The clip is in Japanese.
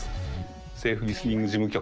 セーフリスニング事務局